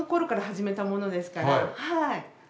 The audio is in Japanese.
はい。